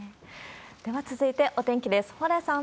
では続いて、お天気です。